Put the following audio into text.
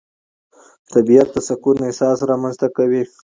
طبیعت د سکون احساس رامنځته کوي